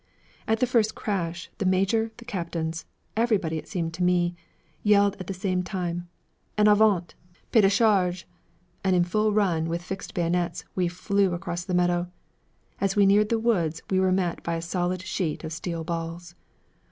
At the first crash, the major, the captains everybody, it seemed to me yelled at the same time, 'En avant! Pas de charge!' and in full run, with fixed bayonets, we flew across the meadow. As we neared the woods, we were met by solid sheets of steel balls.